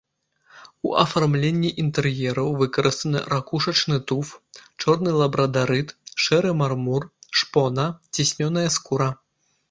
У афармленні інтэр'ераў выкарыстаны ракушачны туф, чорны лабрадарыт, шэры мармур, шпона, ціснёная скура.